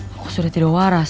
aku sudah tidak waras